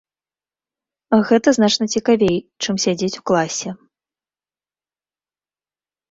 Гэта значна цікавей, чым сядзець у класе.